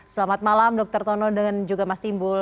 selamat malam dr tono dan juga mas timbul